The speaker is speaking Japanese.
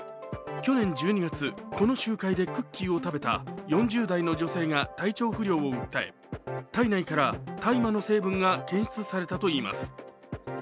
去年１２月、この集会でクッキーを食べた４０代の女性が体調不良を訴え、体内から大麻の成分が検出されたといいます。